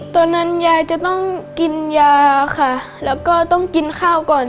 ตอนนั้นยายจะต้องกินยาค่ะแล้วก็ต้องกินข้าวก่อน